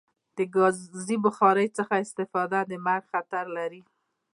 د کازی بخاری څخه استفاده د مرګ خطر لری